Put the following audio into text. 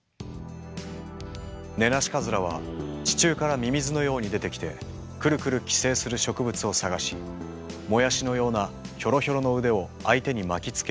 ネナシカズラは地中からミミズのように出てきてクルクル寄生する植物を探しもやしのようなヒョロヒョロの腕を相手に巻きつけ寄生します。